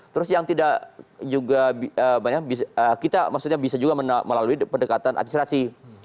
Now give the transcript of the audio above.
terus yang tidak juga kita maksudnya bisa juga melalui pendekatan administrasi